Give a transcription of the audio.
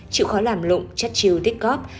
chịu khó làm lụng chất chiêu tích cóp